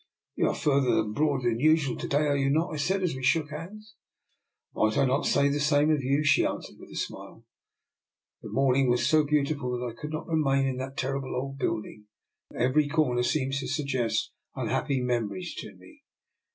" You are further abroad than usual to day, are you not? " I said, as we shook hands. " Might I not say the same of you? " she answered with a smile. " The morning was so beautiful that I could not remain in that terrible old building. Every corner seems to suggest unhappy memories to me."